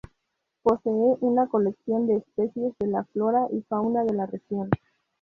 Posee una colección de especies de la flora y fauna de la región.